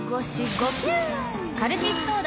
カルピスソーダ！